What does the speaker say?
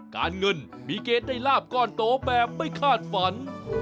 การเงินมีเกณฑ์ได้ลาบก้อนโตแบบไม่คาดฝัน